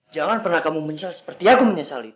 jangan pernah kamu menyesal seperti aku menyesal itu